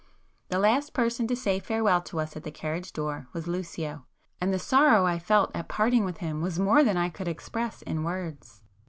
The last person to say farewell to us at the carriage door was Lucio,—and the sorrow I felt at parting with him was more than I could express in words.